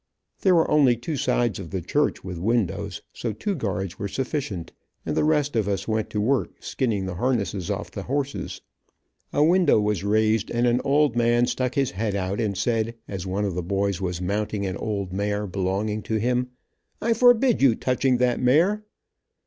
There were only two sides of the church with windows, so two guards were sufficient, and the rest of us went to work skinning the harnesses off the horses. A window was raised and an old man stuck his head out and said, as one of the boys was mounting an old mare belonging to him, "I forbid you touching that mare."